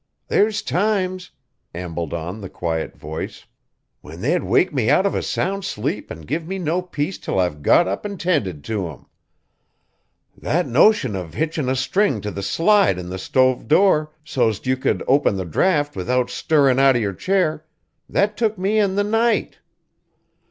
There's times," ambled on the quiet voice, "when they'll wake me out of a sound sleep an' give me no peace 'til I've got up and 'tended to 'em. That notion of hitchin' a string to the slide in the stove door so'st you could open the draught without stirrin' out of your chair that took me in the night.